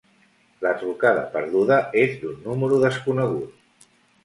La trucada perduda és d'un número desconegut.